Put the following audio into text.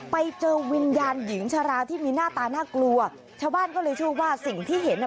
ไปเจอวิญญาณหญิงชะลาที่มีหน้าตาน่ากลัวชาวบ้านก็เลยเชื่อว่าสิ่งที่เห็นอ่ะ